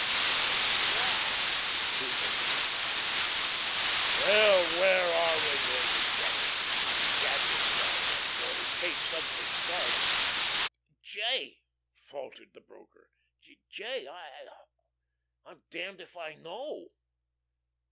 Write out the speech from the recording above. "My God!" he murmured at last. "Well, where are they going to get it?" Jadwin cried once more, his face suddenly scarlet. "J.," faltered the broker, "J., I I'm damned if I know."